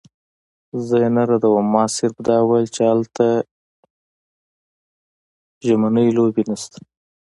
زه یې نه ردوم، ما صرف دا ویل چې هلته ژمنۍ لوبې نشته.